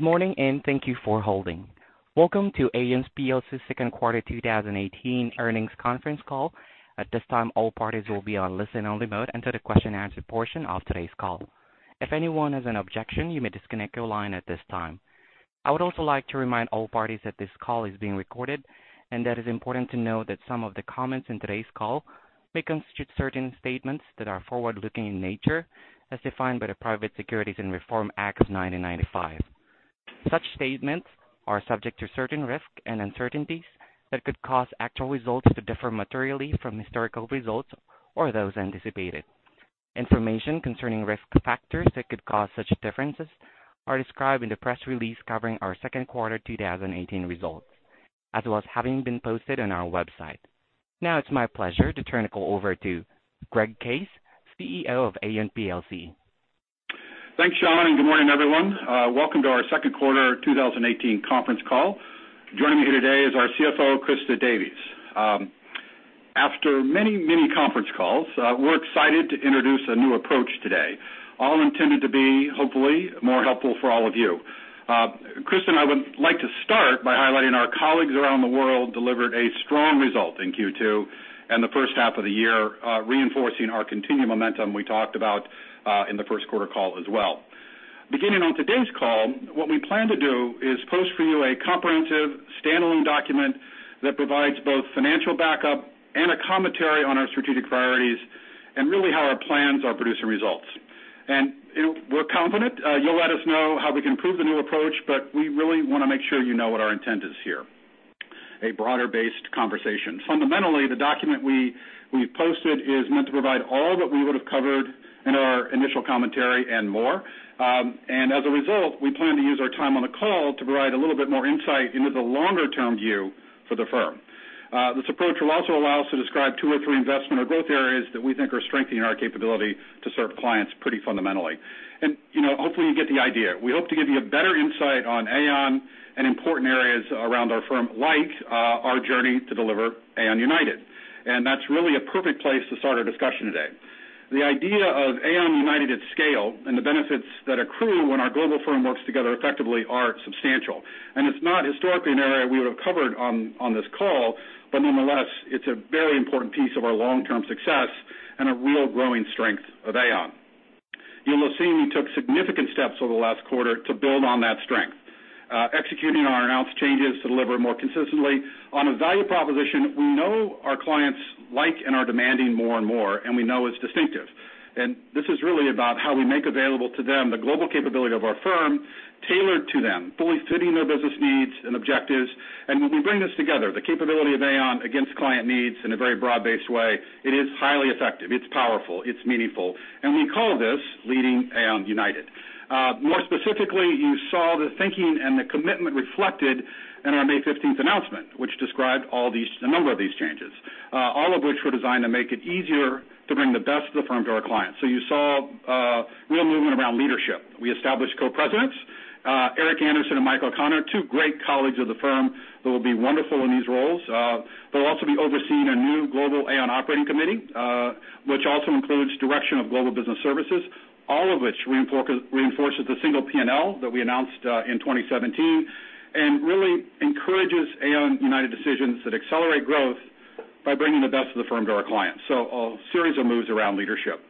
Good morning, and thank you for holding. Welcome to Aon PLC's second quarter 2018 earnings conference call. At this time, all parties will be on listen-only mode until the question and answer portion of today's call. If anyone has an objection, you may disconnect your line at this time. I would also like to remind all parties that this call is being recorded, and that is important to know that some of the comments in today's call may constitute certain statements that are forward-looking in nature, as defined by the Private Securities Litigation Reform Act of 1995. Such statements are subject to certain risks and uncertainties that could cause actual results to differ materially from historical results or those anticipated. Information concerning risk factors that could cause such differences are described in the press release covering our second quarter 2018 results, as well as having been posted on our website. Now it's my pleasure to turn the call over to Greg Case, CEO of Aon PLC. Thanks, Sean. Good morning, everyone. Welcome to our second quarter 2018 conference call. Joining me here today is our CFO, Christa Davies. After many conference calls, we're excited to introduce a new approach today, all intended to be hopefully more helpful for all of you. Christa, I would like to start by highlighting our colleagues around the world delivered a strong result in Q2 and the first half of the year, reinforcing our continued momentum we talked about in the first quarter call as well. Beginning on today's call, what we plan to do is post for you a comprehensive standalone document that provides both financial backup and a commentary on our strategic priorities and really how our plans are producing results. We're confident. You'll let us know how we can improve the new approach, but we really want to make sure you know what our intent is here, a broader-based conversation. Fundamentally, the document we posted is meant to provide all that we would have covered in our initial commentary and more. As a result, we plan to use our time on the call to provide a little bit more insight into the longer-term view for the firm. This approach will also allow us to describe two or three investment or growth areas that we think are strengthening our capability to serve clients pretty fundamentally. Hopefully you get the idea. We hope to give you a better insight on Aon and important areas around our firm, like our journey to deliver Aon United. That's really a perfect place to start our discussion today. The idea of Aon United at scale and the benefits that accrue when our global firm works together effectively are substantial. It's not historically an area we have covered on this call, nonetheless, it's a very important piece of our long-term success and a real growing strength of Aon. You'll have seen we took significant steps over the last quarter to build on that strength. Executing our announced changes to deliver more consistently on a value proposition we know our clients like and are demanding more and more, and we know is distinctive. This is really about how we make available to them the global capability of our firm tailored to them, fully suiting their business needs and objectives. When we bring this together, the capability of Aon against client needs in a very broad-based way, it is highly effective. It's powerful. It's meaningful. We call this Leading Aon United. More specifically, you saw the thinking and the commitment reflected in our May 15th announcement, which described a number of these changes, all of which were designed to make it easier to bring the best of the firm to our clients. You saw real movement around leadership. We established Co-Presidents, Eric Andersen and Michael O'Connor, two great colleagues of the firm that will be wonderful in these roles. They'll also be overseeing a new global Aon Operating Committee, which also includes direction of Aon Business Services, all of which reinforces the single P&L that we announced in 2017 and really encourages Aon United decisions that accelerate growth by bringing the best of the firm to our clients. A series of moves around leadership.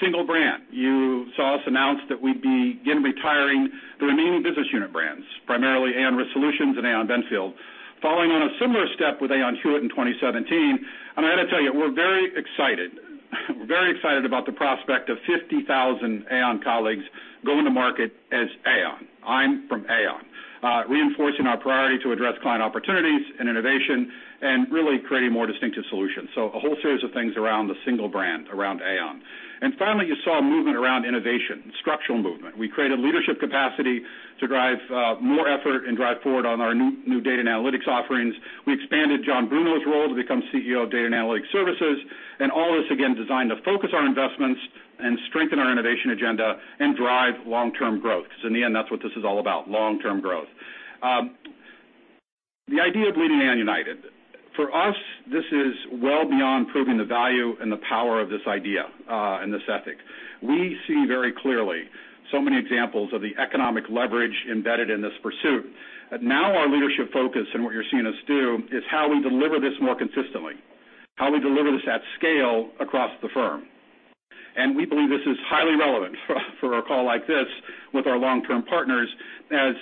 Single brand. You saw us announce that we'd begin retiring the remaining business unit brands, primarily Aon Risk Solutions and Aon Benfield, following on a similar step with Aon Hewitt in 2017. I got to tell you, we're very excited. We're very excited about the prospect of 50,000 Aon colleagues going to market as Aon. I'm from Aon. Reinforcing our priority to address client opportunities and innovation and really creating more distinctive solutions. A whole series of things around the single brand, around Aon. Finally, you saw movement around innovation, structural movement. We created leadership capacity to drive more effort and drive forward on our new data and analytics offerings. We expanded John Bruno's role to become CEO of Data & Analytic Services, and all this again designed to focus our investments and strengthen our innovation agenda and drive long-term growth. In the end, that's what this is all about, long-term growth. The idea of Leading Aon United. For us, this is well beyond proving the value and the power of this idea and this ethic. We see very clearly so many examples of the economic leverage embedded in this pursuit. Now our leadership focus and what you're seeing us do is how we deliver this more consistently, how we deliver this at scale across the firm. We believe this is highly relevant for a call like this with our long-term partners as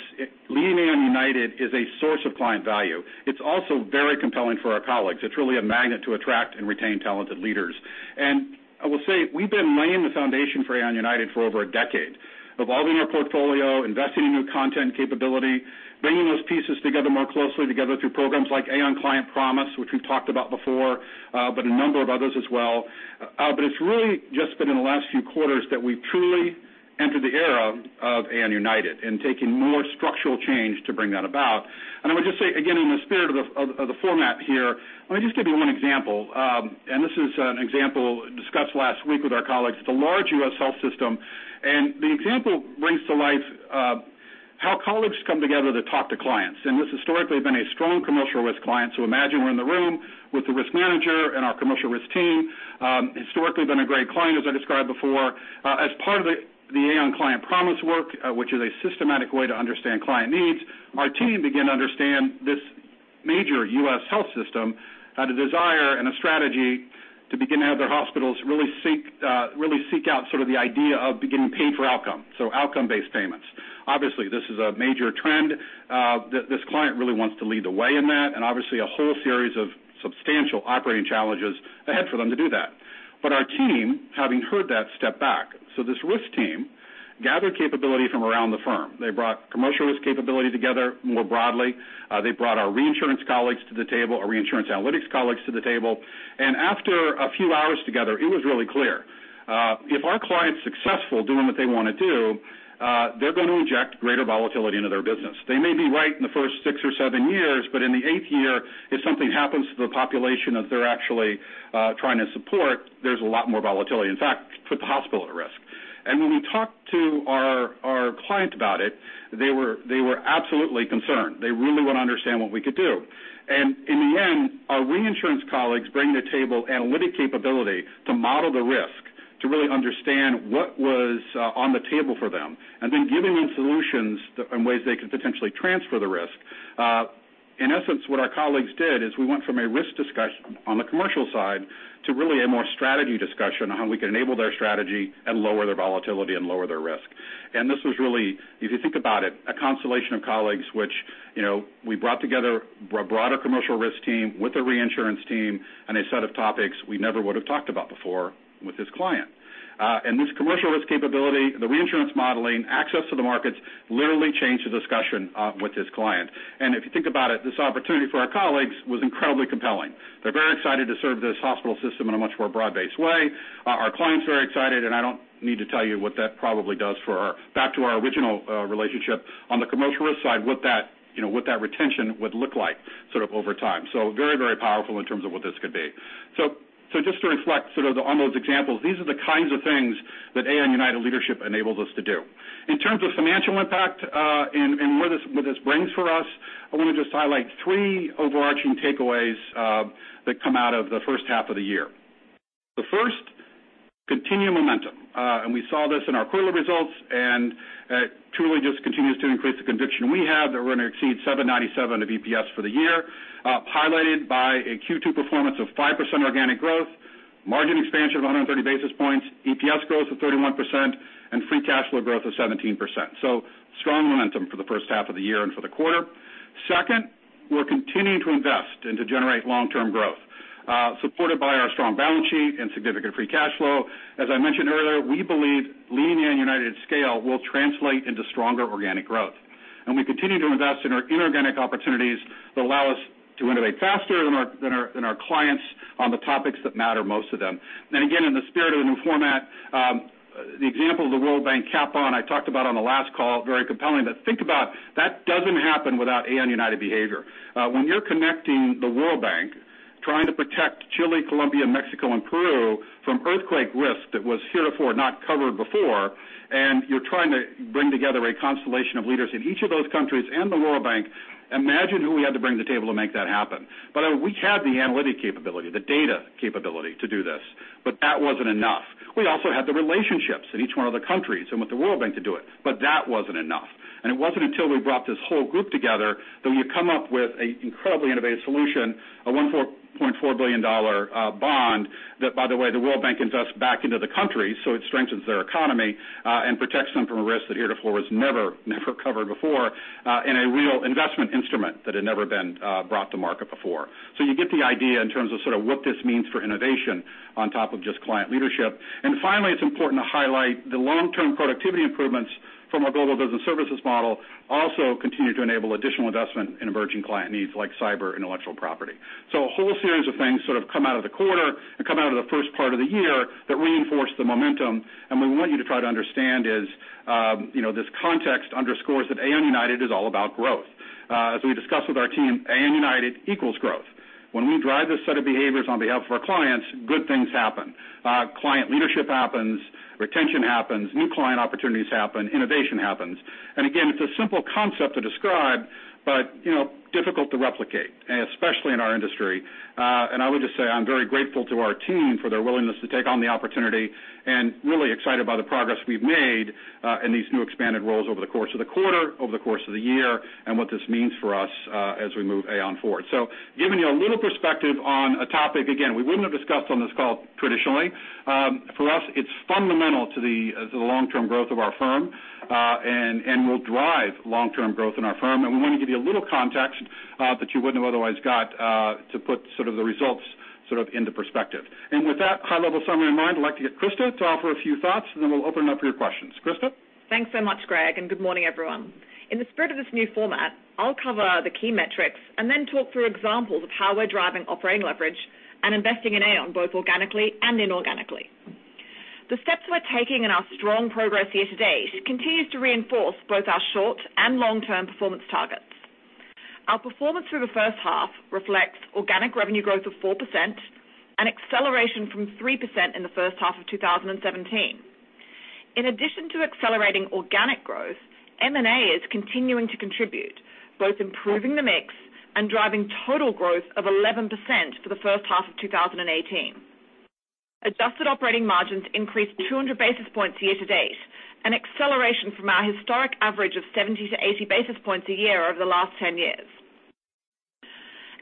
Leading Aon United is a source of client value. It's also very compelling for our colleagues. It's really a magnet to attract and retain talented leaders. I will say, we've been laying the foundation for Aon United for over a decade, evolving our portfolio, investing in new content capability, bringing those pieces together more closely together through programs like Aon Client Promise, which we've talked about before, a number of others as well. It's really just been in the last few quarters that we've truly entered the era of Aon United and taken more structural change to bring that about. I would just say, again, in the spirit of the format here, let me just give you one example. This is an example discussed last week with our colleagues at a large U.S. health system. The example brings to life how colleagues come together to talk to clients. This historically has been a strong commercial risk client. Imagine we're in the room with the risk manager and our commercial risk team. Historically been a great client, as I described before. As part of the Aon Client Promise work, which is a systematic way to understand client needs, our team began to understand this major U.S. health system had a desire and a strategy to begin to have their hospitals really seek out the idea of beginning paid for outcome-based payments. Obviously, this is a major trend. This client really wants to lead the way in that, and obviously a whole series of substantial operating challenges ahead for them to do that. Our team, having heard that, stepped back. This risk team gathered capability from around the firm. They brought commercial risk capability together more broadly. They brought our reinsurance analytics colleagues to the table. After a few hours together, it was really clear. If our client's successful doing what they want to do, they're going to inject greater volatility into their business. They may be right in the first six or seven years, but in the eighth year, if something happens to the population that they're actually trying to support, there's a lot more volatility. In fact, put the hospital at risk. When we talked to our client about it, they were absolutely concerned. They really want to understand what we could do. In the end, our reinsurance colleagues bring to the table analytic capability to model the risk, to really understand what was on the table for them, and then giving them solutions and ways they could potentially transfer the risk. In essence, what our colleagues did is we went from a risk discussion on the commercial side to really a more strategy discussion on how we can enable their strategy and lower their volatility and lower their risk. This was really, if you think about it, a constellation of colleagues, which we brought together a broader commercial risk team with a reinsurance team on a set of topics we never would have talked about before with this client. This commercial risk capability, the reinsurance modeling, access to the markets literally changed the discussion with this client. If you think about it, this opportunity for our colleagues was incredibly compelling. They're very excited to serve this hospital system in a much more broad-based way. Our clients are excited. I don't need to tell you what that probably does back to our original relationship on the commercial risk side, what that retention would look like over time. Very powerful in terms of what this could be. Just to reflect on those examples, these are the kinds of things that Aon United Leadership enables us to do. In terms of financial impact and what this brings for us, I want to just highlight three overarching takeaways that come out of the first half of the year. The first, continued momentum. We saw this in our quarterly results. It truly just continues to increase the conviction we have that we're going to exceed $7.97 of EPS for the year, highlighted by a Q2 performance of 5% organic growth, margin expansion of 130 basis points, EPS growth of 31%, and free cash flow growth of 17%. Strong momentum for the first half of the year and for the quarter. Second, we're continuing to invest and to generate long-term growth supported by our strong balance sheet and significant free cash flow. As I mentioned earlier, we believe Leading Aon United scale will translate into stronger organic growth. We continue to invest in our inorganic opportunities that allow us to innovate faster than our clients on the topics that matter most to them. Again, in the spirit of a new format, the example of the World Bank Catastrophe Bond I talked about on the last call, very compelling. Think about it, that doesn't happen without Aon United behavior. When you're connecting the World Bank trying to protect Chile, Colombia, Mexico, and Peru from earthquake risk that was heretofore not covered before, and you're trying to bring together a constellation of leaders in each of those countries and the World Bank, imagine who we had to bring to the table to make that happen. By the way, we had the analytic capability, the data capability to do this. That wasn't enough. We also had the relationships in each one of the countries and with the World Bank to do it. That wasn't enough. It wasn't until we brought this whole group together that we come up with an incredibly innovative solution, a $1.4 billion bond, that, by the way, the World Bank invests back into the country, so it strengthens their economy and protects them from a risk that heretofore was never covered before in a real investment instrument that had never been brought to market before. You get the idea in terms of what this means for innovation on top of just client leadership. Finally, it's important to highlight the long-term productivity improvements from our Aon Business Services model also continue to enable additional investment in emerging client needs like cyber, intellectual property. A whole series of things sort of come out of the quarter and come out of the first part of the year that reinforce the momentum and we want you to try to understand is this context underscores that Aon United is all about growth. As we discussed with our team, Aon United equals growth. When we drive this set of behaviors on behalf of our clients, good things happen. Client leadership happens, retention happens, new client opportunities happen, innovation happens. Again, it's a simple concept to describe, but difficult to replicate, especially in our industry. I would just say I'm very grateful to our team for their willingness to take on the opportunity and really excited by the progress we've made in these new expanded roles over the course of the quarter, over the course of the year, and what this means for us as we move Aon forward. Giving you a little perspective on a topic, again, we wouldn't have discussed on this call traditionally. For us, it's fundamental to the long-term growth of our firm and will drive long-term growth in our firm. We want to give you a little context that you wouldn't have otherwise got to put the results into perspective. With that high-level summary in mind, I'd like to get Christa to offer a few thoughts, and then we'll open it up for your questions. Christa? Thanks so much, Greg, and good morning, everyone. In the spirit of this new format, I'll cover the key metrics and then talk through examples of how we're driving operating leverage and investing in Aon both organically and inorganically. The steps we're taking and our strong progress year to date continues to reinforce both our short and long-term performance targets. Our performance through the first half reflects organic revenue growth of 4%, an acceleration from 3% in the first half of 2017. In addition to accelerating organic growth, M&A is continuing to contribute, both improving the mix and driving total growth of 11% for the first half of 2018. Adjusted operating margins increased 200 basis points year to date, an acceleration from our historic average of 70 to 80 basis points a year over the last 10 years.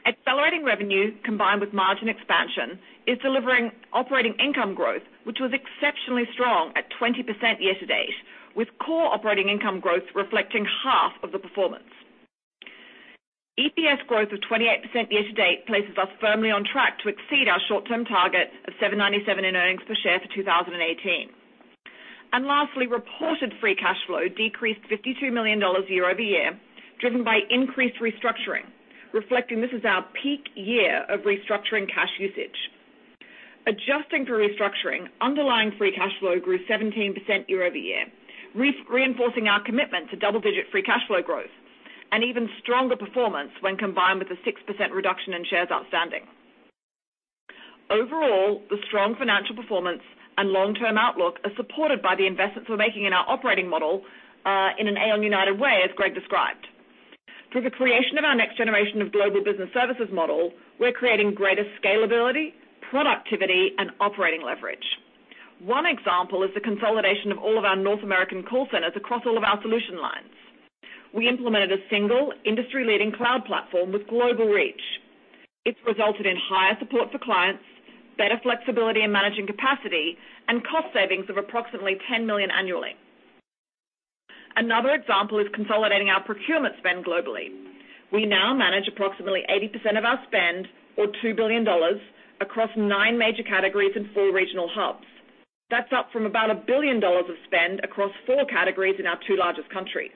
Accelerating revenue combined with margin expansion is delivering operating income growth, which was exceptionally strong at 20% year to date, with core operating income growth reflecting half of the performance. EPS growth of 28% year to date places us firmly on track to exceed our short-term target of $7.97 in earnings per share for 2018. Lastly, reported free cash flow decreased $52 million year over year, driven by increased restructuring, reflecting this is our peak year of restructuring cash usage. Adjusting for restructuring, underlying free cash flow grew 17% year over year, reinforcing our commitment to double-digit free cash flow growth, and even stronger performance when combined with a 6% reduction in shares outstanding. Overall, the strong financial performance and long-term outlook are supported by the investments we're making in our operating model, in an Aon United way, as Greg described. Through the creation of our next generation of global business services model, we're creating greater scalability, productivity, and operating leverage. One example is the consolidation of all of our North American call centers across all of our solution lines. We implemented a single industry-leading cloud platform with global reach. It's resulted in higher support for clients, better flexibility in managing capacity, and cost savings of approximately $10 million annually. Another example is consolidating our procurement spend globally. We now manage approximately 80% of our spend, or $2 billion, across 9 major categories in 4 regional hubs. That's up from about $1 billion of spend across 4 categories in our 2 largest countries.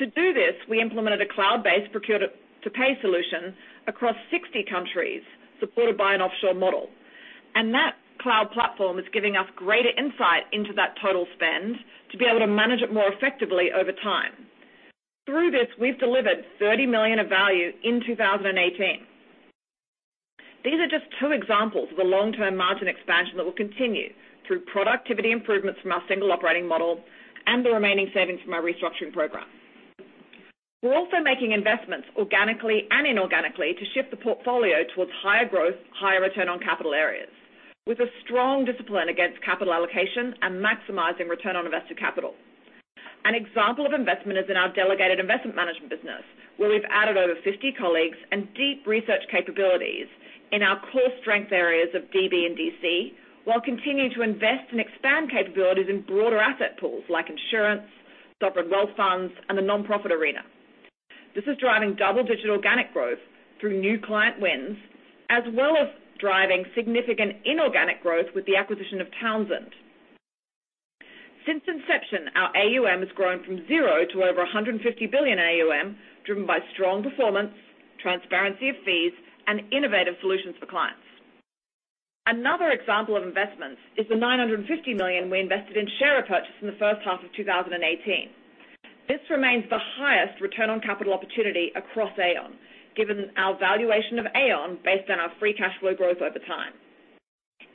To do this, we implemented a cloud-based procure-to-pay solution across 60 countries, supported by an offshore model. That cloud platform is giving us greater insight into that total spend to be able to manage it more effectively over time. Through this, we've delivered $30 million of value in 2018. These are just 2 examples of the long-term margin expansion that will continue through productivity improvements from our single operating model and the remaining savings from our restructuring program. We're also making investments organically and inorganically to shift the portfolio towards higher growth, higher return on capital areas with a strong discipline against capital allocation and maximizing return on invested capital. An example of investment is in our delegated investment management business, where we've added over 50 colleagues and deep research capabilities in our core strength areas of DB and DC, while continuing to invest and expand capabilities in broader asset pools like insurance, sovereign wealth funds, and the nonprofit arena. This is driving double-digit organic growth through new client wins, as well as driving significant inorganic growth with the acquisition of Townsend. Since inception, our AUM has grown from zero to over $150 billion in AUM, driven by strong performance, transparency of fees, and innovative solutions for clients. Another example of investments is the $950 million we invested in share repurchase in the first half of 2018. This remains the highest return on capital opportunity across Aon, given our valuation of Aon based on our free cash flow growth over time.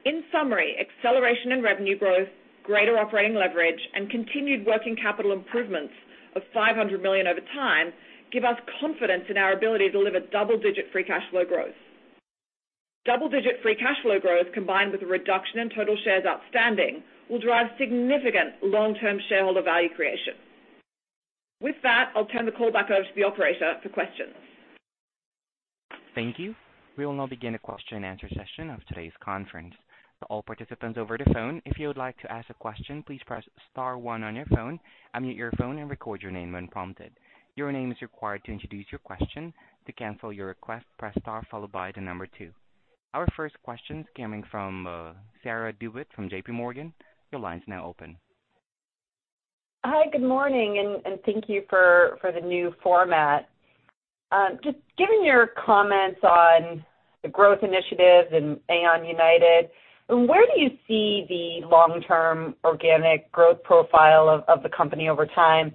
In summary, acceleration in revenue growth, greater operating leverage, and continued working capital improvements of $500 million over time give us confidence in our ability to deliver double-digit free cash flow growth. Double-digit free cash flow growth combined with a reduction in total shares outstanding will drive significant long-term shareholder value creation. With that, I'll turn the call back over to the operator for questions. Thank you. We will now begin the question-and-answer session of today's conference. To all participants over the phone, if you would like to ask a question, please press star one on your phone, unmute your phone, and record your name when prompted. Your name is required to introduce your question. To cancel your request, press star followed by the number two. Our first question's coming from Sarah DeWitt from J.P. Morgan. Your line's now open. Hi. Good morning. Thank you for the new format. Given your comments on the growth initiative and Aon United, where do you see the long-term organic growth profile of the company over time?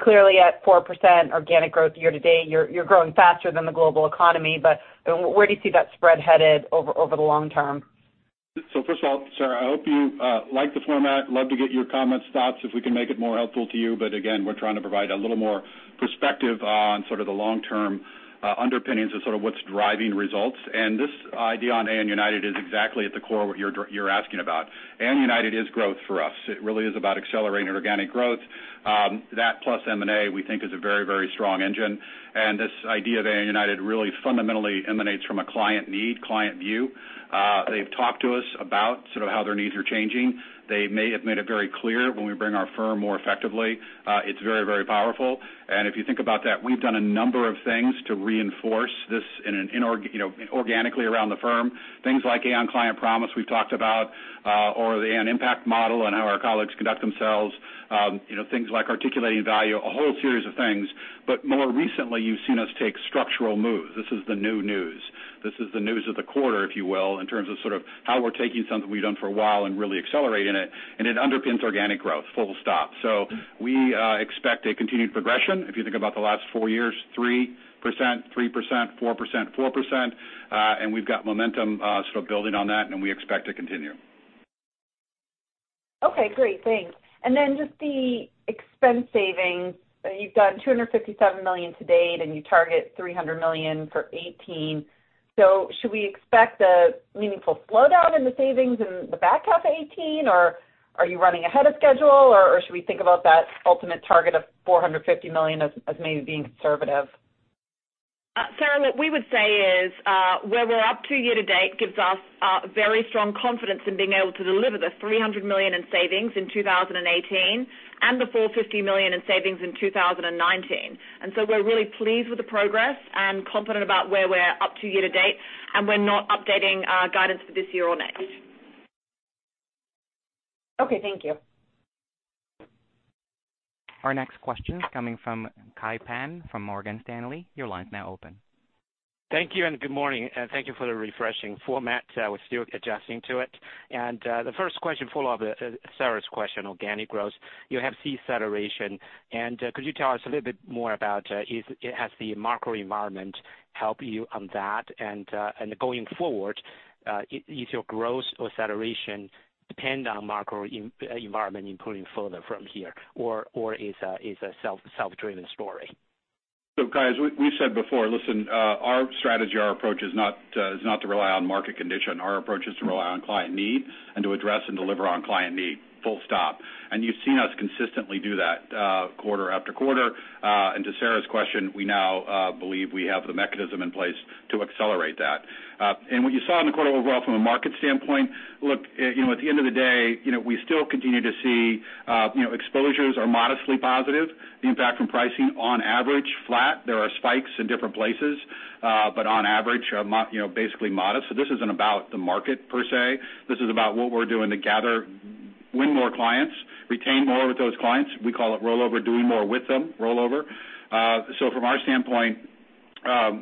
Clearly at 4% organic growth year-to-date, you're growing faster than the global economy. Where do you see that spread headed over the long term? First of all, Sarah, I hope you like the format. Love to get your comments, thoughts, if we can make it more helpful to you. Again, we're trying to provide a little more perspective on the long-term underpinnings of what's driving results. This idea on Aon United is exactly at the core of what you're asking about. Aon United is growth for us. It really is about accelerating organic growth. That plus M&A we think is a very strong engine. This idea of Aon United really fundamentally emanates from a client need, client view. They've talked to us about how their needs are changing. They have made it very clear when we bring our firm more effectively it's very powerful. If you think about that, we've done a number of things to reinforce this organically around the firm. Things like Aon Client Promise we've talked about or the Aon Impact Model and how our colleagues conduct themselves. Things like articulating value, a whole series of things. More recently, you've seen us take structural moves. This is the new news. This is the news of the quarter, if you will, in terms of how we're taking something we've done for a while and really accelerating it. It underpins organic growth, full stop. We expect a continued progression. If you think about the last four years, 3%, 3%, 4%, 4%. We've got momentum building on that, and we expect to continue. Okay, great. Thanks. Just the expense savings. You've done $257 million to date, and you target $300 million for 2018. Should we expect a meaningful slowdown in the savings in the back half of 2018, or are you running ahead of schedule, or should we think about that ultimate target of $450 million as maybe being conservative? Sarah, what we would say is where we're up to year to date gives us very strong confidence in being able to deliver the $300 million in savings in 2018 and the $450 million in savings in 2019. We're really pleased with the progress and confident about where we're up to year to date, and we're not updating our guidance for this year or next. Okay, thank you. Our next question is coming from Kai Pan from Morgan Stanley. Your line's now open. Thank you, good morning. Thank you for the refreshing format. We're still adjusting to it. The first question, follow up Sarah's question, organic growth. You have seen acceleration. Could you tell us a little bit more about has the macro environment helped you on that? Going forward, is your growth or acceleration depend on macro environment improving further from here, or is a self-driven story? Kai, as we said before, listen, our strategy, our approach is not to rely on market condition. Our approach is to rely on client need and to address and deliver on client need, full stop. You've seen us consistently do that quarter after quarter. To Sarah's question, we now believe we have the mechanism in place to accelerate that. What you saw in the quarter overall from a market standpoint, look, at the end of the day, we still continue to see exposures are modestly positive. The impact from pricing on average, flat. There are spikes in different places, but on average, basically modest. This isn't about the market per se. This is about what we're doing to gather, win more clients, retain more with those clients. We call it rollover, doing more with them, rollover. From our standpoint,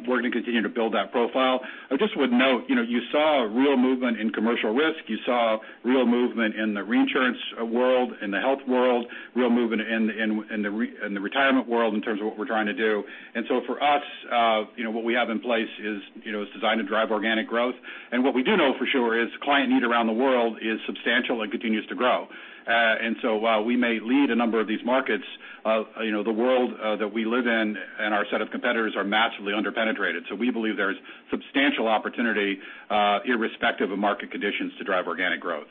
we're going to continue to build that profile. I just would note, you saw a real movement in commercial risk. You saw real movement in the reinsurance world, in the health world, real movement in the retirement world in terms of what we're trying to do. For us, what we have in place is designed to drive organic growth. What we do know for sure is client need around the world is substantial and continues to grow. While we may lead a number of these markets, the world that we live in and our set of competitors are massively under-penetrated. We believe there's substantial opportunity, irrespective of market conditions, to drive organic growth.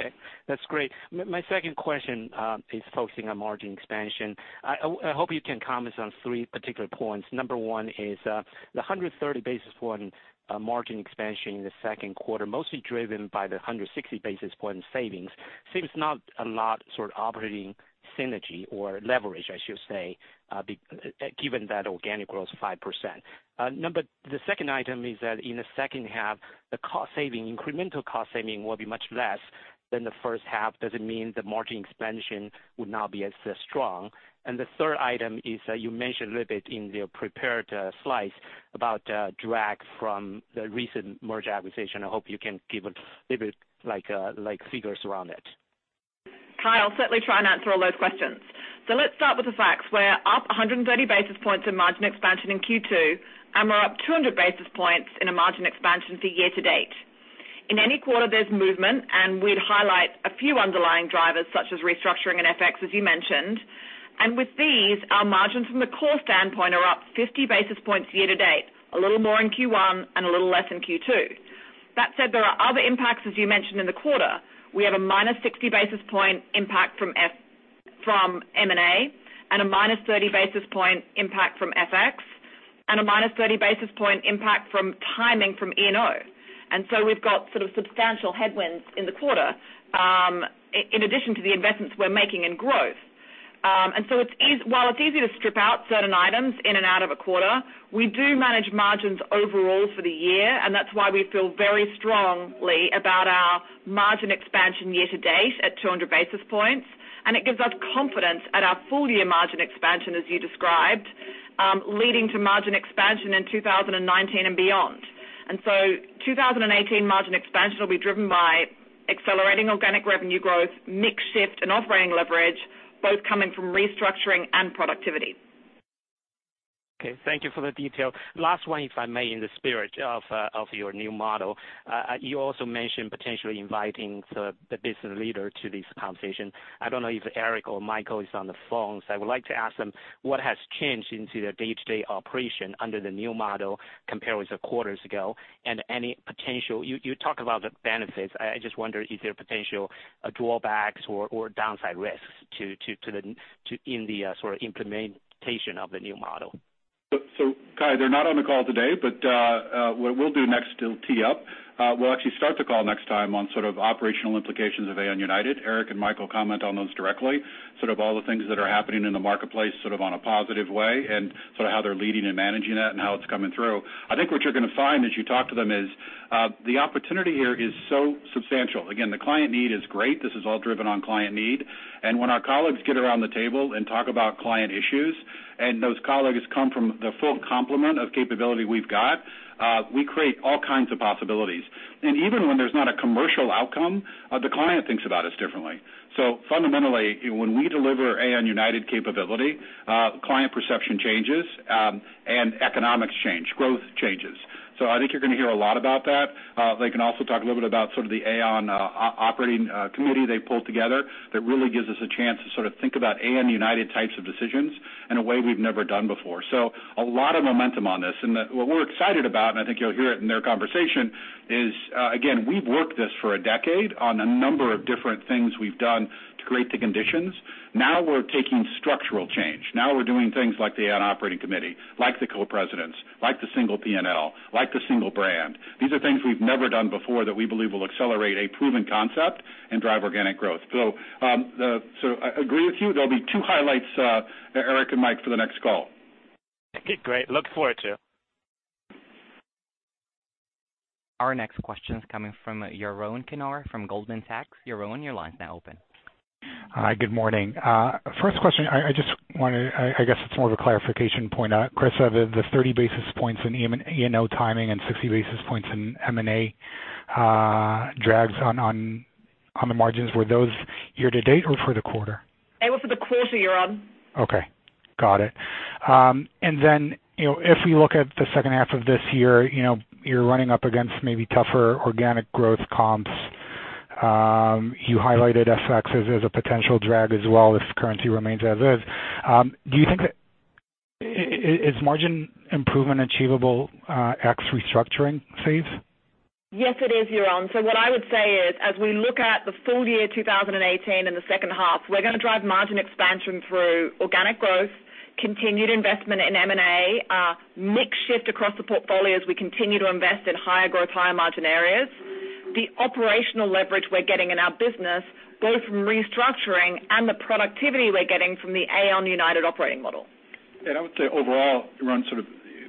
Okay, that's great. My second question is focusing on margin expansion. I hope you can comment on three particular points. Number 1 is the 130 basis point margin expansion in the second quarter, mostly driven by the 160 basis point savings, seems not a lot sort of operating synergy or leverage, I should say, given that organic growth 5%. The second item is that in the second half, the cost saving, incremental cost saving, will be much less than the first half. Does it mean the margin expansion would now be as strong? The third item is you mentioned a little bit in the prepared slides about drag from the recent merger acquisition. I hope you can give a little bit figures around it. Kai, I'll certainly try and answer all those questions. Let's start with the facts. We're up 130 basis points in margin expansion in Q2, and we're up 200 basis points in a margin expansion for year to date. In any quarter, there's movement. We'd highlight a few underlying drivers such as restructuring and FX, as you mentioned. With these, our margins from the core standpoint are up 50 basis points year to date, a little more in Q1 and a little less in Q2. That said, there are other impacts, as you mentioned in the quarter. We have a minus 60 basis point impact from M&A and a minus 30 basis point impact from FX and a minus 30 basis point impact from timing from E&O. We've got sort of substantial headwinds in the quarter in addition to the investments we're making in growth. While it's easy to strip out certain items in and out of a quarter, we do manage margins overall for the year, and that's why we feel very strongly about our margin expansion year to date at 200 basis points. It gives us confidence at our full year margin expansion, as you described, leading to margin expansion in 2019 and beyond. 2018 margin expansion will be driven by accelerating organic revenue growth, mix shift, and operating leverage, both coming from restructuring and productivity. Okay. Thank you for the detail. Last one, if I may, in the spirit of your new model. You also mentioned potentially inviting the business leader to this conversation. I don't know if Eric Andersen or Michael O'Connor is on the phone. I would like to ask them what has changed into the day-to-day operation under the new model compared with quarters ago and you talk about the benefits, I just wonder is there potential drawbacks or downside risks in the sort of implementation of the new model? Kai, they're not on the call today, but what we'll do next to tee up, we'll actually start the call next time on sort of operational implications of Aon United. Eric Andersen and Michael O'Connor comment on those directly, all the things that are happening in the marketplace on a positive way, and how they're leading and managing that and how it's coming through. I think what you're going to find as you talk to them is the opportunity here is so substantial. Again, the client need is great. This is all driven on client need. When our colleagues get around the table and talk about client issues, and those colleagues come from the full complement of capability we've got, we create all kinds of possibilities. Even when there's not a commercial outcome, the client thinks about us differently. Fundamentally, when we deliver Aon United capability, client perception changes, and economics change, growth changes. I think you're going to hear a lot about that. They can also talk a little bit about the Aon Operating Committee they pulled together that really gives us a chance to think about Aon United types of decisions in a way we've never done before. A lot of momentum on this. What we're excited about, and I think you'll hear it in their conversation, is again, we've worked this for a decade on a number of different things we've done to create the conditions. Now we're taking structural change. Now we're doing things like the Aon Operating Committee, like the co-presidents, like the single P&L, like the single brand. These are things we've never done before that we believe will accelerate a proven concept and drive organic growth. I agree with you. There'll be two highlights, Eric and Mike, for the next call. Okay, great. Look forward to. Our next question is coming from Yaron Kinar from Goldman Sachs. Yaron, your line's now open. Hi, good morning. First question, I guess it's more of a clarification point. Christa, the 30 basis points in E&O timing and 60 basis points in M&A drags on the margins. Were those year-to-date or for the quarter? They were for the quarter, Yaron. Okay. Got it. If we look at the second half of this year, you're running up against maybe tougher organic growth comps. You highlighted FX as a potential drag as well if currency remains as is. Do you think that is margin improvement achievable ex restructuring saves? Yes, it is, Yaron. What I would say is, as we look at the full year 2018 and the second half, we're going to drive margin expansion through organic growth, continued investment in M&A, mix shift across the portfolio as we continue to invest in higher growth, higher margin areas. The operational leverage we're getting in our business, both from restructuring and the productivity we're getting from the Aon United operating model. I would say overall, Yaron,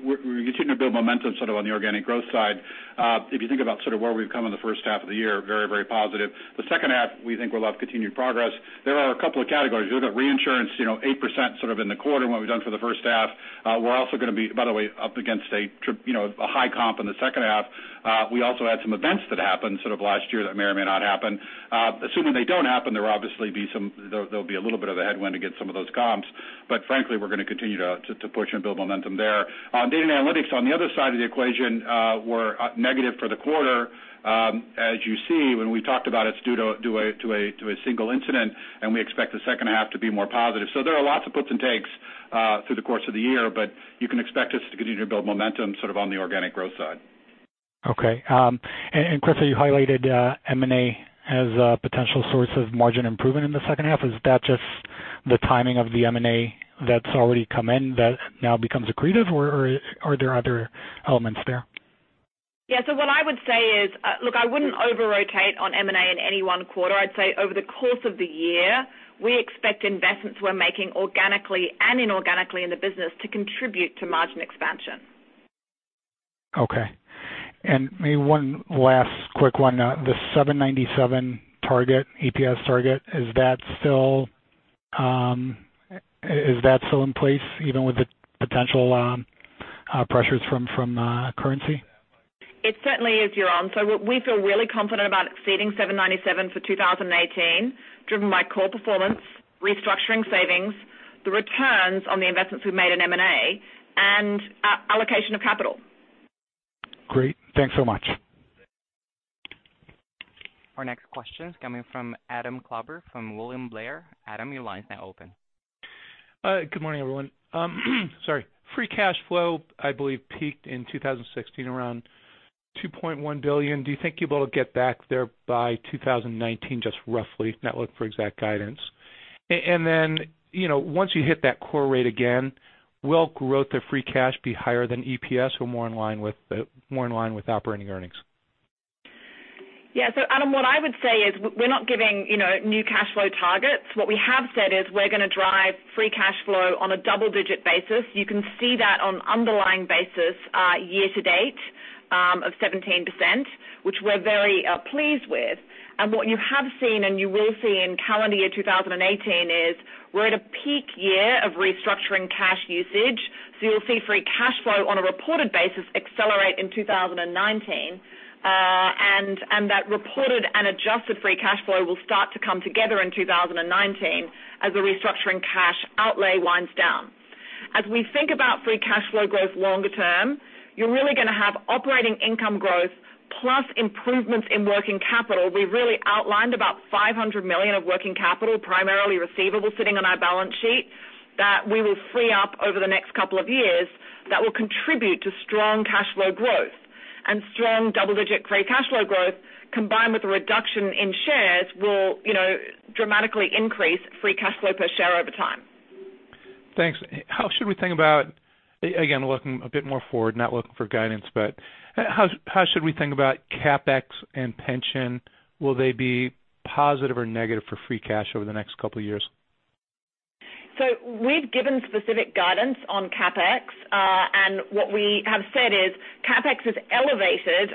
we're continuing to build momentum on the organic growth side. If you think about where we've come in the first half of the year, very, very positive. The second half, we think we'll have continued progress. There are a couple of categories. You look at reinsurance, 8% in the quarter, what we've done for the first half. We're also going to be, by the way, up against a high comp in the second half. We also had some events that happened last year that may or may not happen. Assuming they don't happen, there'll be a little bit of a headwind against some of those comps. Frankly, we're going to continue to push and build momentum there. Data and analytics on the other side of the equation, were negative for the quarter. As you see when we talked about it's due to a single incident, and we expect the second half to be more positive. There are lots of puts and takes through the course of the year, but you can expect us to continue to build momentum on the organic growth side. Okay. Chris, you highlighted M&A as a potential source of margin improvement in the second half. Is that just the timing of the M&A that's already come in that now becomes accretive, or are there other elements there? Yeah. What I would say is, look, I wouldn't over-rotate on M&A in any one quarter. I'd say over the course of the year, we expect investments we're making organically and inorganically in the business to contribute to margin expansion. Okay. Maybe one last quick one. The $7.97 EPS target, is that still in place even with the potential pressures from currency? It certainly is, Yaron. We feel really confident about exceeding $7.97 for 2018, driven by core performance, restructuring savings, the returns on the investments we've made in M&A, and allocation of capital. Great. Thanks so much. Our next question is coming from Adam Klauber from William Blair. Adam, your line is now open. Good morning, everyone. Sorry. Free cash flow, I believe, peaked in 2016 around $2.1 billion. Do you think you'll be able to get back there by 2019, just roughly? Not looking for exact guidance. Once you hit that core rate again, will growth of free cash be higher than EPS or more in line with operating earnings? Yeah. Adam, what I would say is we're not giving new cash flow targets. What we have said is we're going to drive free cash flow on a double-digit basis. You can see that on underlying basis year-to-date of 17%, which we're very pleased with. What you have seen, and you will see in calendar year 2018 is we're at a peak year of restructuring cash usage. You'll see free cash flow on a reported basis accelerate in 2019. That reported and adjusted free cash flow will start to come together in 2019 as the restructuring cash outlay winds down. As we think about free cash flow growth longer term, you're really going to have operating income growth plus improvements in working capital. We've really outlined about $500 million of working capital, primarily receivables sitting on our balance sheet that we will free up over the next couple of years that will contribute to strong cash flow growth. Strong double-digit free cash flow growth, combined with a reduction in shares, will dramatically increase free cash flow per share over time. Thanks. How should we think about, again, looking a bit more forward, not looking for guidance, but how should we think about CapEx and pension? Will they be positive or negative for free cash over the next couple of years? We've given specific guidance on CapEx. What we have said is CapEx is elevated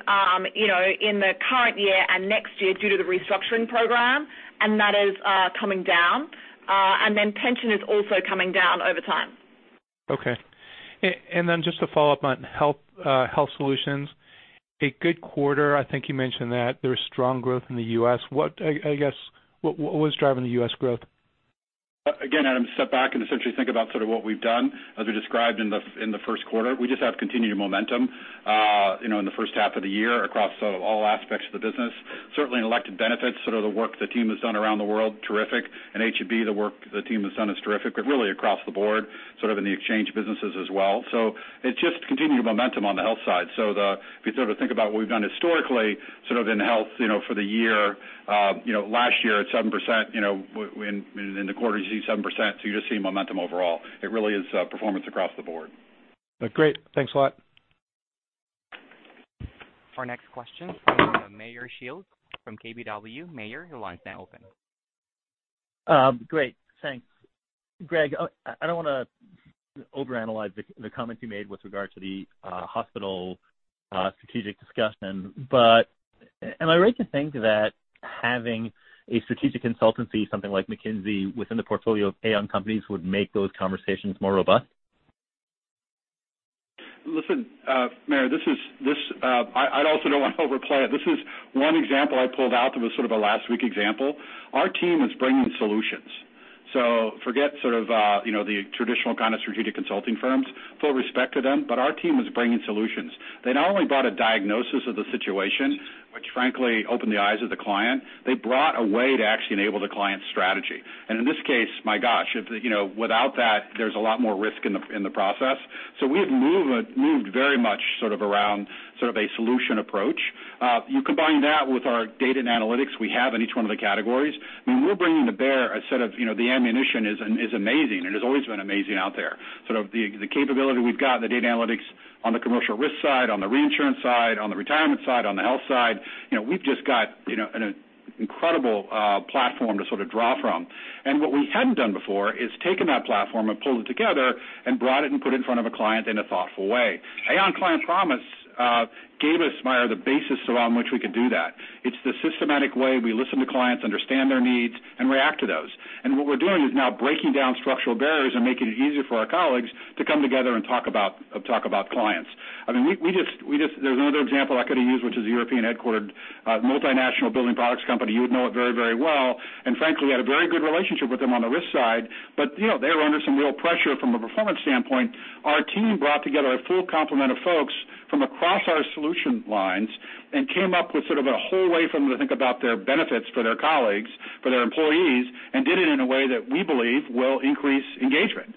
in the current year and next year due to the restructuring program, and that is coming down. Pension is also coming down over time. Okay. Just to follow up on health solutions. A good quarter, I think you mentioned that there was strong growth in the U.S. What was driving the U.S. growth? Again, Adam, step back and essentially think about what we've done. As we described in the first quarter, we just have continued momentum in the first half of the year across all aspects of the business. Certainly in elected benefits, the work the team has done around the world, terrific. In H&B, the work the team has done is terrific, but really across the board, in the exchange businesses as well. It's just continued momentum on the health side. If you think about what we've done historically in health for the year, last year at 7%, in the quarter you see 7%, you just see momentum overall. It really is performance across the board. Great. Thanks a lot. Our next question comes from Meyer Shields from KBW. Meyer, your line's now open. Great, thanks. Greg, I don't want to overanalyze the comments you made with regard to the hospital strategic discussion. Am I right to think that having a strategic consultancy, something like McKinsey within the portfolio of Aon companies would make those conversations more robust? Listen, Meyer, I also don't want to overplay it. This is one example I pulled out that was sort of a last week example. Our team is bringing solutions. Forget the traditional kind of strategic consulting firms, full respect to them, but our team is bringing solutions. They not only brought a diagnosis of the situation, which frankly opened the eyes of the client, they brought a way to actually enable the client's strategy. In this case, my gosh, without that, there's a lot more risk in the process. We've moved very much around a solution approach. You combine that with our data and analytics we have in each one of the categories. I mean, we're bringing to bear a set of the ammunition is amazing and has always been amazing out there. The capability we've got in the data analytics on the commercial risk side, on the reinsurance side, on the retirement side, on the health side, we've just got an incredible platform to draw from. What we hadn't done before is taken that platform and pulled it together and brought it and put it in front of a client in a thoughtful way. Aon Client Promise gave us, Meyer, the basis around which we could do that. It's the systematic way we listen to clients, understand their needs, and react to those. What we're doing is now breaking down structural barriers and making it easier for our colleagues to come together and talk about clients. There's another example I could have used, which is a European headquartered multinational building products company. You would know it very well and frankly had a very good relationship with them on the risk side. They were under some real pressure from a performance standpoint. Our team brought together a full complement of folks from across our solution lines and came up with a whole way for them to think about their benefits for their colleagues, for their employees, and did it in a way that we believe will increase engagement.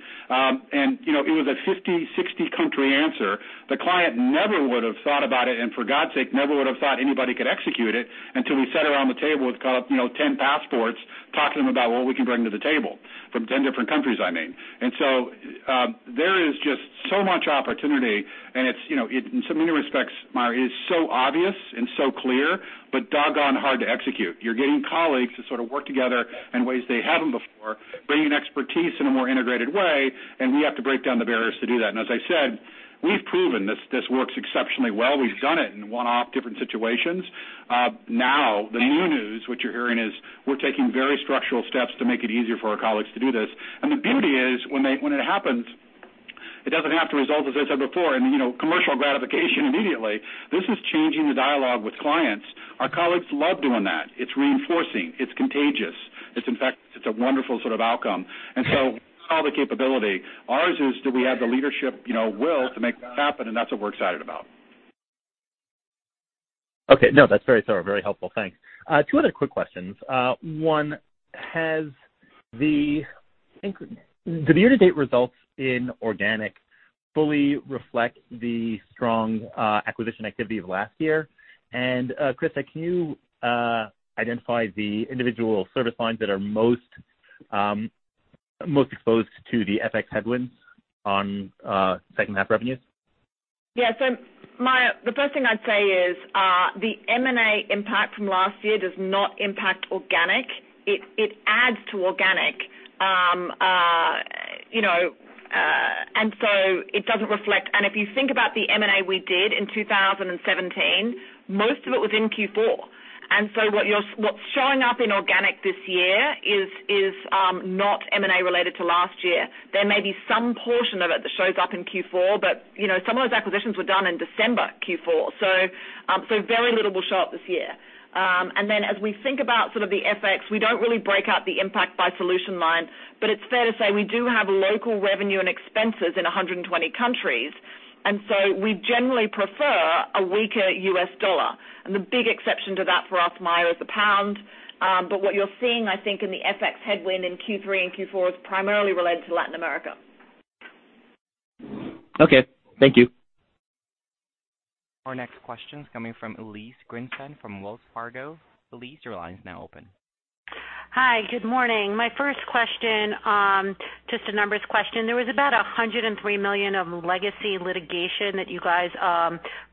It was a 50, 60 country answer. The client never would have thought about it, and for God's sake, never would have thought anybody could execute it until we sat around the table with 10 passports talking to them about what we can bring to the table from 10 different countries, I mean. There is just so much opportunity and in so many respects, Meyer, it is so obvious and so clear, but doggone hard to execute. You're getting colleagues to work together in ways they haven't before, bringing expertise in a more integrated way, we have to break down the barriers to do that. As I said, we've proven this works exceptionally well. We've done it in one-off different situations. Now the new news, what you're hearing is we're taking very structural steps to make it easier for our colleagues to do this. The beauty is when it happens, it doesn't have to result, as I said before, in commercial gratification immediately. This is changing the dialogue with clients. Our colleagues love doing that. It's reinforcing, it's contagious. It's a wonderful outcome. All the capability. Ours is, do we have the leadership will to make that happen? That's what we're excited about. Okay. No, that's very thorough, very helpful. Thanks. Two other quick questions. One, do the year-to-date results in organic fully reflect the strong acquisition activity of last year? Christa, can you identify the individual service lines that are most exposed to the FX headwinds on second half revenues? Yeah. Meyer, the first thing I'd say is the M&A impact from last year does not impact organic. It adds to organic. It doesn't reflect. If you think about the M&A we did in 2017, most of it was in Q4. What's showing up in organic this year is not M&A related to last year. There may be some portion of it that shows up in Q4, but some of those acquisitions were done in December Q4, so very little will show up this year. As we think about the FX, we don't really break out the impact by solution line, but it's fair to say we do have local revenue and expenses in 120 countries, we generally prefer a weaker U.S. dollar. The big exception to that for us, Meyer, is the pound. What you're seeing, I think in the FX headwind in Q3 and Q4 is primarily related to Latin America. Okay. Thank you. Our next question is coming from Elyse Greenspan from Wells Fargo. Elyse, your line is now open. Hi. Good morning. My first question, just a numbers question. There was about $103 million of legacy litigation that you guys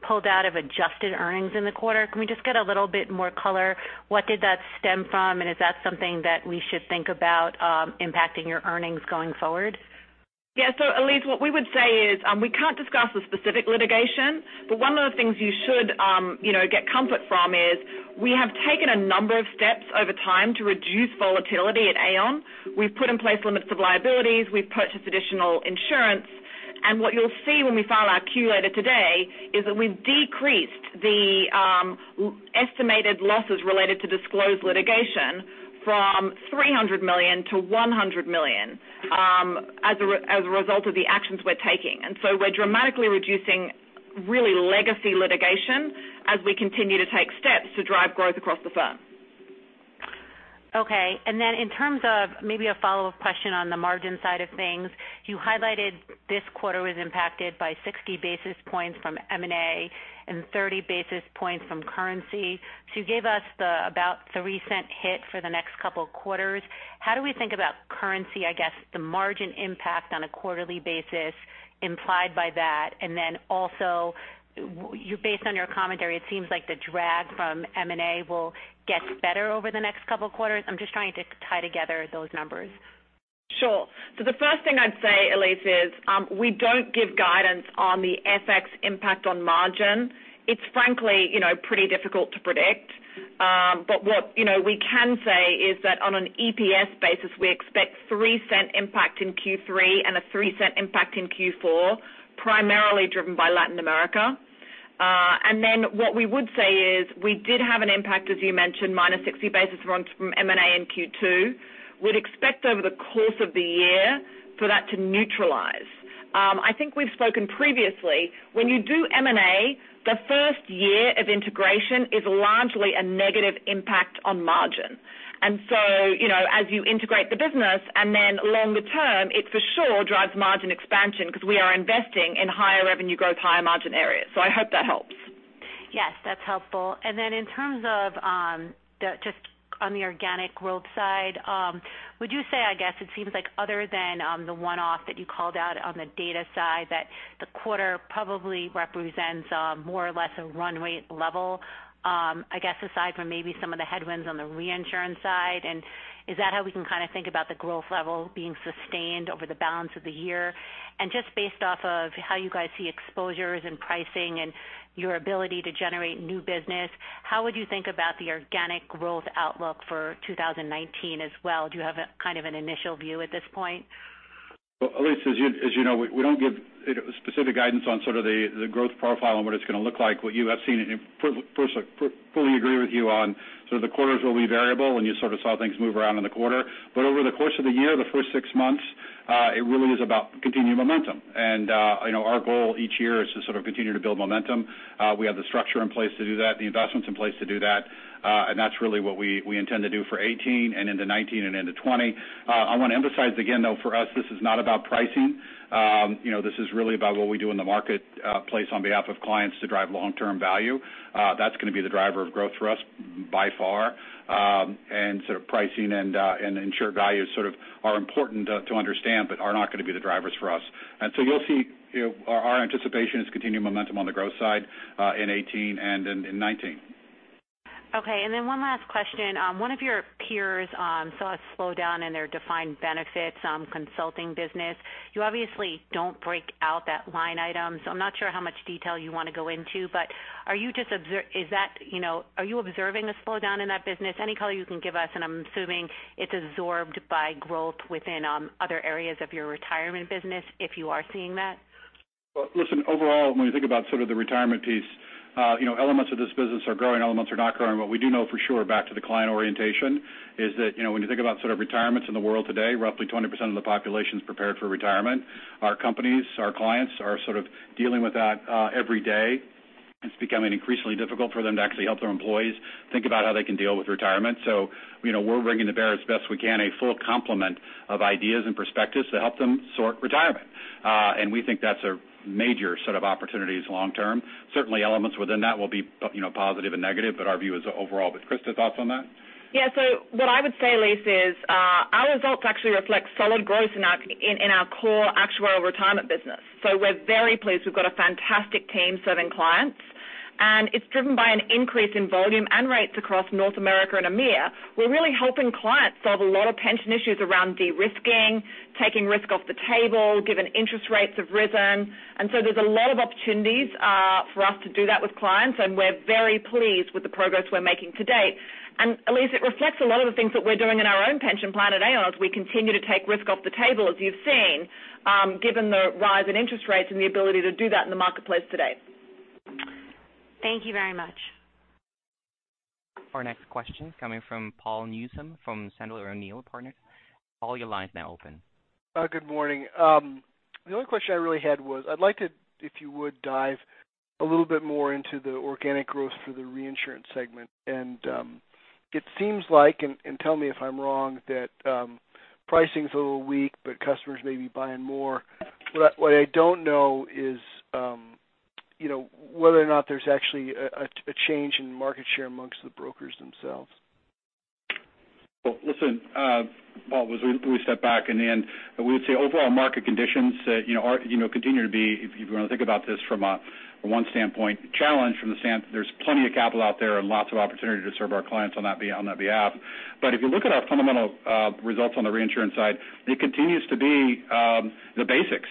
pulled out of adjusted earnings in the quarter. Can we just get a little bit more color? What did that stem from, and is that something that we should think about impacting your earnings going forward? Yeah. Elyse, what we would say is we can't discuss the specific litigation, but one of the things you should get comfort from is we have taken a number of steps over time to reduce volatility at Aon. We've put in place limits of liabilities. We've purchased additional insurance. What you'll see when we file our Q later today is that we've decreased the estimated losses related to disclosed litigation from $300 million to $100 million as a result of the actions we're taking. We're dramatically reducing really legacy litigation as we continue to take steps to drive growth across the firm. Okay. In terms of maybe a follow-up question on the margin side of things, you highlighted this quarter was impacted by 60 basis points from M&A and 30 basis points from currency. You gave us about the $0.03 hit for the next couple of quarters. How do we think about currency, I guess the margin impact on a quarterly basis implied by that? Also, based on your commentary, it seems like the drag from M&A will get better over the next couple of quarters. I'm just trying to tie together those numbers. Sure. The first thing I'd say, Elyse, is we don't give guidance on the FX impact on margin. It's frankly pretty difficult to predict. What we can say is that on an EPS basis, we expect $0.03 impact in Q3 and a $0.03 impact in Q4, primarily driven by Latin America. What we would say is we did have an impact, as you mentioned, minus 60 basis points from M&A in Q2. We'd expect over the course of the year for that to neutralize. I think we've spoken previously. When you do M&A, the first year of integration is largely a negative impact on margin. As you integrate the business and then longer term, it for sure drives margin expansion because we are investing in higher revenue growth, higher margin areas. I hope that helps. Yes, that's helpful. Then in terms of just on the organic growth side, would you say, I guess it seems like other than the one-off that you called out on the data side, that the quarter probably represents more or less a run rate level, I guess aside from maybe some of the headwinds on the reinsurance side. Is that how we can kind of think about the growth level being sustained over the balance of the year? Just based off of how you guys see exposures and pricing and your ability to generate new business, how would you think about the organic growth outlook for 2019 as well? Do you have kind of an initial view at this point? Well, Elyse, as you know, we don't give specific guidance on sort of the growth profile and what it's going to look like. What you have seen, fully agree with you on sort of the quarters will be variable when you sort of saw things move around in the quarter. Over the course of the year, the first six months, it really is about continuing momentum. Our goal each year is to sort of continue to build momentum. We have the structure in place to do that, the investments in place to do that. That's really what we intend to do for 2018 and into 2019 and into 2020. I want to emphasize again, though, for us, this is not about pricing. This is really about what we do in the marketplace on behalf of clients to drive long-term value. That's going to be the driver of growth for us by far. Sort of pricing and insured value sort of are important to understand, but are not going to be the drivers for us. You'll see our anticipation is continuing momentum on the growth side in 2018 and in 2019. Okay. Then one last question. One of your peers saw a slowdown in their defined benefits consulting business. You obviously don't break out that line item, so I'm not sure how much detail you want to go into, but are you observing a slowdown in that business? Any color you can give us, and I'm assuming it's absorbed by growth within other areas of your retirement business if you are seeing that. listen, overall, when we think about sort of the retirement piece elements of this business are growing, elements are not growing. What we do know for sure back to the client orientation is that when you think about sort of retirements in the world today, roughly 20% of the population is prepared for retirement. Our companies, our clients are sort of dealing with that every day. It's becoming increasingly difficult for them to actually help their employees think about how they can deal with retirement. We're bringing to bear as best we can a full complement of ideas and perspectives to help them sort retirement. We think that's a major set of opportunities long term. Certainly elements within that will be positive and negative, but our view is overall. Christa, thoughts on that? Yeah. What I would say, Elyse, is our results actually reflect solid growth in our core actuarial retirement business. We're very pleased. We've got a fantastic team serving clients, it's driven by an increase in volume and rates across North America and EMEA. We're really helping clients solve a lot of pension issues around de-risking, taking risk off the table, given interest rates have risen. There's a lot of opportunities for us to do that with clients, we're very pleased with the progress we're making to date. Elyse, it reflects a lot of the things that we're doing in our own pension plan at Aon as we continue to take risk off the table, as you've seen given the rise in interest rates and the ability to do that in the marketplace today. Thank you very much. Our next question coming from Paul Newsome from Sandler O'Neill + Partners. Paul, your line's now open. Good morning. The only question I really had was I'd like to, if you would, dive a little bit more into the organic growth for the reinsurance segment. It seems like, and tell me if I'm wrong, that pricing's a little weak, but customers may be buying more. What I don't know is whether or not there's actually a change in market share amongst the brokers themselves. Well, listen Paul, as we step back and we would say overall market conditions continue to be, if you want to think about this from one standpoint, challenged from the stand. There's plenty of capital out there and lots of opportunity to serve our clients on that behalf. If you look at our fundamental results on the reinsurance side, it continues to be the basics.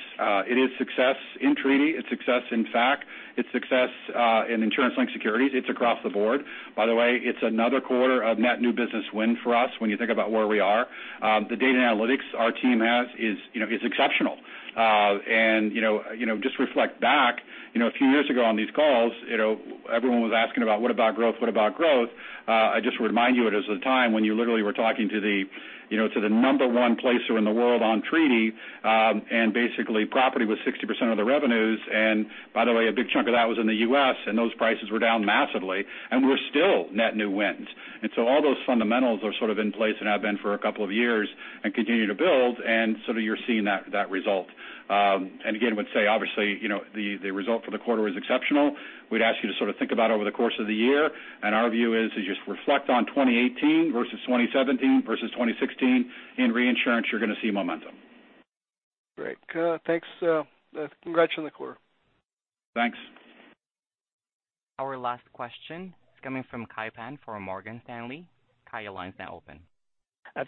It is success in treaty, it's success in fac, it's success in insurance-linked securities. It's across the board. By the way, it's another quarter of net new business win for us when you think about where we are. The data analytics our team has is exceptional. Just reflect back, a few years ago on these calls, everyone was asking about what about growth? What about growth? I just remind you it is a time when you literally were talking to the number 1 placer in the world on treaty, and basically property was 60% of the revenues. By the way, a big chunk of that was in the U.S., and those prices were down massively, and we're still net new wins. All those fundamentals are sort of in place and have been for a couple of years and continue to build, so you're seeing that result. Again, would say, obviously, the result for the quarter was exceptional. We'd ask you to sort of think about over the course of the year. Our view is as you reflect on 2018 versus 2017 versus 2016 in reinsurance, you're going to see momentum. Great. Thanks. Congrats on the quarter. Thanks. Our last question is coming from Kai Pan for Morgan Stanley. Kai, your line's now open.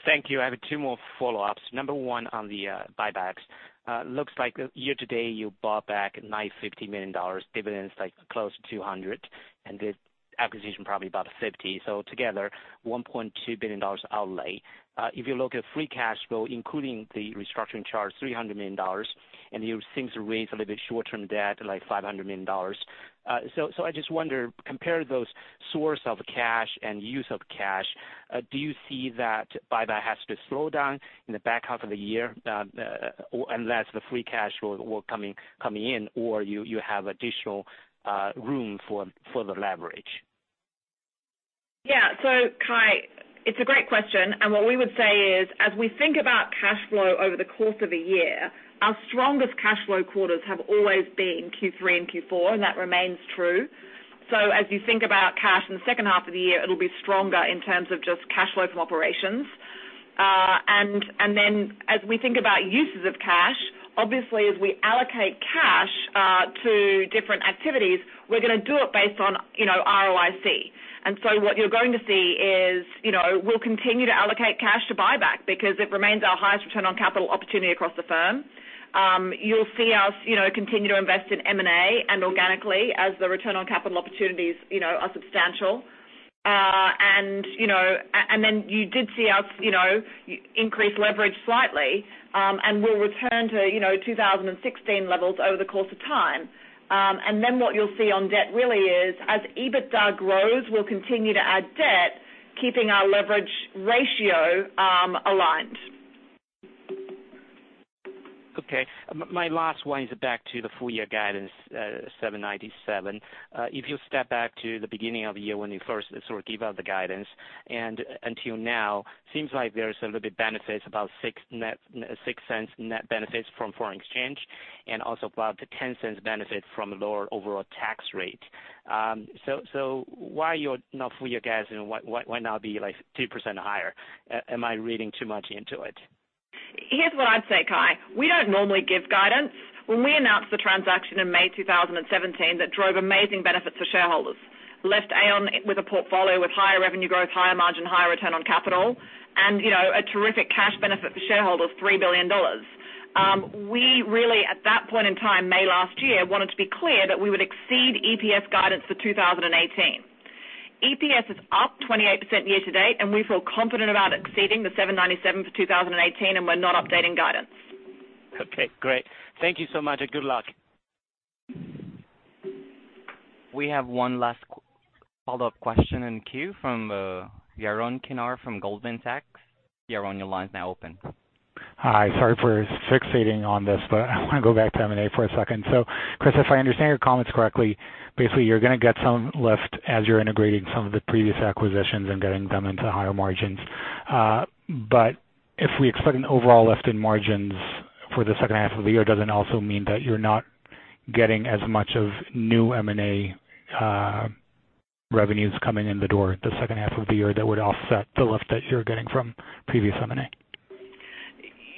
Thank you. I have two more follow-ups. Number one on the buybacks. Looks like year to date you bought back $950 million, dividends like close to $200 million, and the acquisition probably about $50 million. Together, $1.2 billion outlay. If you look at free cash flow, including the restructuring charge, $300 million, and you seem to raise a little bit short-term debt, like $500 million. I just wonder, compare those source of cash and use of cash, do you see that buyback has to slow down in the back half of the year unless the free cash flow coming in or you have additional room for further leverage? Yeah. Kai, it's a great question, and what we would say is, as we think about cash flow over the course of a year, our strongest cash flow quarters have always been Q3 and Q4, and that remains true. As you think about cash in the second half of the year, it'll be stronger in terms of just cash flow from operations. As we think about uses of cash, obviously as we allocate cash to different activities, we're going to do it based on ROIC. What you're going to see is we'll continue to allocate cash to buyback because it remains our highest return on capital opportunity across the firm. You'll see us continue to invest in M&A and organically as the return on capital opportunities are substantial. You did see us increase leverage slightly, and we'll return to 2016 levels over the course of time. What you'll see on debt really is as EBITDA grows, we'll continue to add debt, keeping our leverage ratio aligned. Okay. My last one is back to the full year guidance, $7.97. If you step back to the beginning of the year when you first sort of give out the guidance and until now, seems like there's a little bit benefits about $0.06 net benefits from foreign exchange and also about the $0.10 benefit from lower overall tax rate. Why you're not full year guidance? Why not be like 2% higher? Am I reading too much into it? Here's what I'd say, Kai. We don't normally give guidance. When we announced the transaction in May 2017, that drove amazing benefits for shareholders. Left Aon with a portfolio with higher revenue growth, higher margin, higher return on capital, and a terrific cash benefit for shareholders, $3 billion. We really, at that point in time, May last year, wanted to be clear that we would exceed EPS guidance for 2018. EPS is up 28% year-to-date, and we feel confident about exceeding the $7.97 for 2018, and we're not updating guidance. Okay, great. Thank you so much and good luck. We have one last follow-up question in queue from Yaron Kinar from Goldman Sachs. Yaron, your line is now open. Hi. Sorry for fixating on this, I want to go back to M&A for a second. Christa, if I understand your comments correctly, basically you're going to get some lift as you're integrating some of the previous acquisitions and getting them into higher margins. If we expect an overall lift in margins for the second half of the year, does it also mean that you're not getting as much of new M&A revenues coming in the door the second half of the year that would offset the lift that you're getting from previous M&A?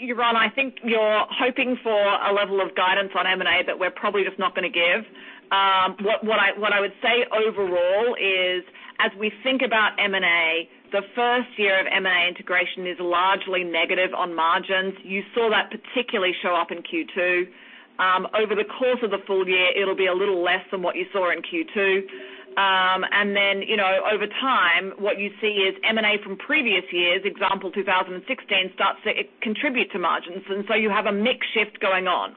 Yaron, I think you're hoping for a level of guidance on M&A that we're probably just not going to give. What I would say overall is as we think about M&A, the first year of M&A integration is largely negative on margins. You saw that particularly show up in Q2. Over the course of the full year, it'll be a little less than what you saw in Q2. Over time, what you see is M&A from previous years, example 2016, starts to contribute to margins, you have a mix shift going on.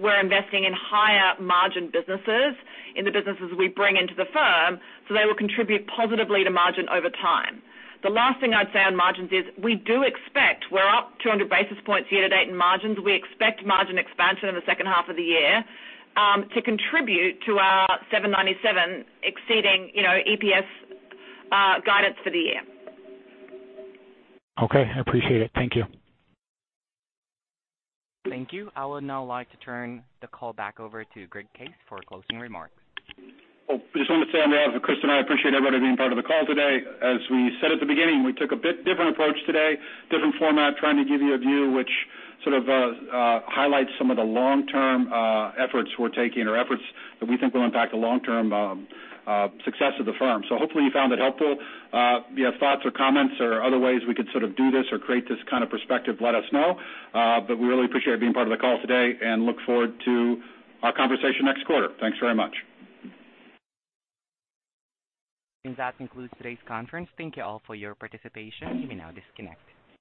We're investing in higher margin businesses in the businesses we bring into the firm, they will contribute positively to margin over time. The last thing I'd say on margins is we do expect we're up 200 basis points year to date in margins. We expect margin expansion in the second half of the year to contribute to our $7.97 exceeding EPS guidance for the year. Okay, I appreciate it. Thank you. Thank you. I would now like to turn the call back over to Greg Case for closing remarks. I just want to say on behalf of Christa and I appreciate everybody being part of the call today. As we said at the beginning, we took a bit different approach today, different format, trying to give you a view which sort of highlights some of the long-term efforts we're taking or efforts that we think will impact the long-term success of the firm. Hopefully you found it helpful. If you have thoughts or comments or other ways we could sort of do this or create this kind of perspective, let us know. We really appreciate being part of the call today and look forward to our conversation next quarter. Thanks very much. That concludes today's conference. Thank you all for your participation. You may now disconnect.